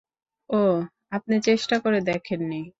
ওহ, আপনি চেষ্টা করে দেখেন নি?